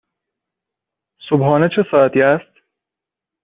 صبحانه چه ساعتی است؟